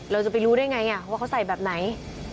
เราจะไปรู้ได้ไงว่าเขาใส่แบบไหน